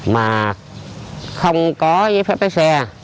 mà không có giấy phép lấy xe